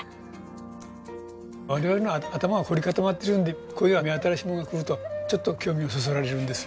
我々の頭は凝り固まってるんでこういう目新しいものがくるとちょっと興味がそそられるんですわ。